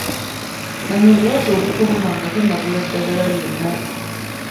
Manya obulwadde obukuluma nga tonnagula ddagala lyonna.